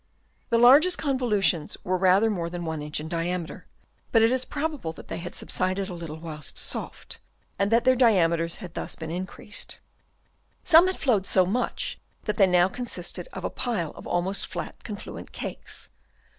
The largest convolutions were rather more than one inch in diameter ; but it is probable that they had subsided a little 130 HABITS OF WORMS. Chap. II. whilst soft, and that their diameters had thus been increased. Some had flowed so much that they now consisted of a pile of almost flat confluent cakes.